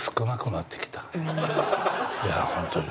いやホントに。